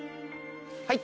はい。